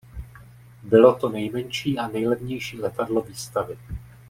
Bylo to nejmenší a nejlevnější letadlo výstavy.